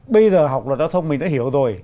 bây giờ học luật giao thông mình đã hiểu rồi